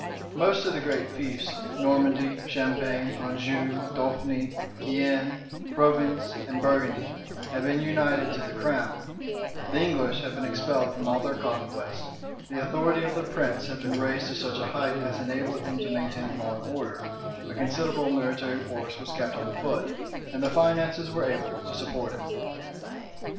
Most of the great fiefs, Normandy, Champagne, Anjou, Dauphny, Guienne, Provence, and Burgundy, had been united to the crown; the English had been expelled from all their conquests; the authority of the prince had been raised to such a height as enabled him to maintain law and order; a considerable military force was kept on foot, and the finances were able to support it.